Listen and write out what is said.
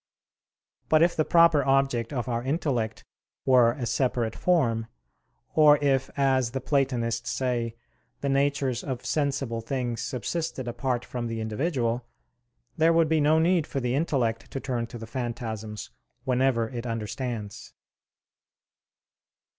But if the proper object of our intellect were a separate form; or if, as the Platonists say, the natures of sensible things subsisted apart from the individual; there would be no need for the intellect to turn to the phantasms whenever it understands.